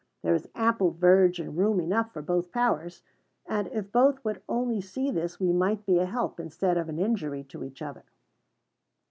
There is ample verge and room enough for both powers; and if both would only see this we might be a help instead of an injury to each other.